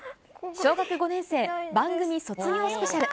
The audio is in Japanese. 小学５年生番組卒業スペシャル。